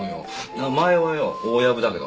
名前はよ大藪だけどな。